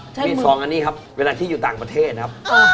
มีสองอันนี้ครับเวลาที่อยู่ต่างประเทศครับ